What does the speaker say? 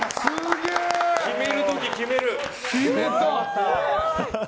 決める土岐、決める。